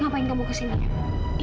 ngapain kamu kesini